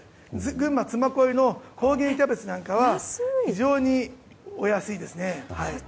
群馬・嬬恋の高原キャベツなんかは非常にお安いです。